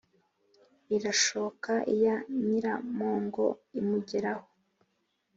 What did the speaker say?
irashooka iya nyiramongo imugeraho